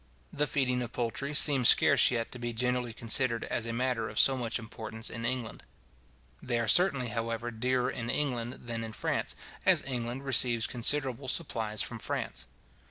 The feeding of poultry seems scarce yet to be generally considered as a matter of so much importance in England. They are certainly, however, dearer in England than in France, as England receives considerable supplies from France.